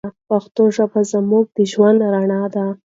پښتو ژبه زموږ د ژوند رڼا ده.